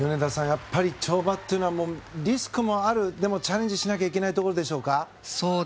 やっぱり跳馬というのはリスクもあるでもチャレンジしなきゃいけないところでしょうか。